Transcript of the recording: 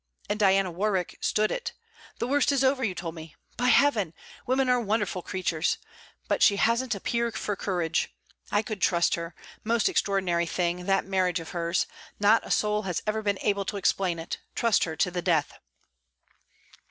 And Diana Warwick stood it. The worst is over, you told me. By heaven! women are wonderful creatures. But she hasn't a peer for courage. I could trust her most extraordinary thing; that marriage of hers! not a soul has ever been able to explain it: trust her to the death.'